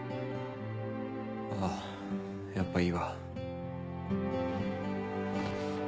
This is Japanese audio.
あぁやっぱいいわ。